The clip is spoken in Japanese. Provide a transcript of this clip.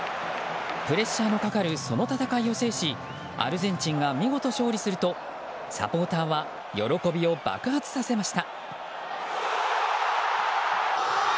プレッシャーのかかるその戦いを制しアルゼンチンが見事、勝利するとサポーターは喜びを爆発させました。